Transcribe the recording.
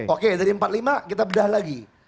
oke dari empat puluh lima kita bedah lagi